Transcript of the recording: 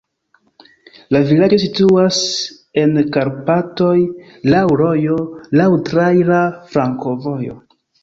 La vilaĝo situas en Karpatoj, laŭ rojo, laŭ traira flankovojo.